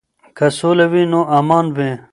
که سوله وي نو امان وي.